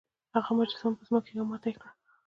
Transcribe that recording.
هغه مجسمه په ځمکه کیښوده او ماته یې کړه.